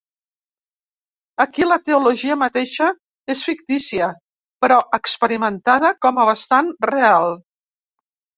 Aquí, la "teologia" mateixa és fictícia però experimentada com a bastant real.